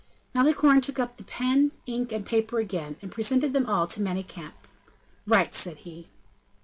Malicorne took up the pen, ink, and paper again, and presented them all to Manicamp. "Write!" said he.